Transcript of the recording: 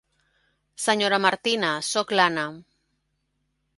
Senyora Martina, soc l'Anna.